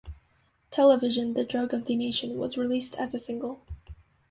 "Television, the Drug of the Nation" was released as a single.